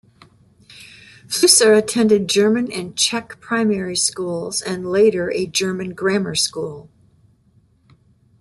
Flusser attended German and Czech primary schools and later a German grammar school.